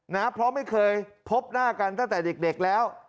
นะเพราะไม่เคยพบหน้ากันตั้งแต่เด็กแล้ว